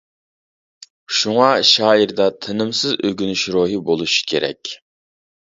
شۇڭا شائىردا تېنىمسىز ئۆگىنىش روھى بولۇشى كېرەك.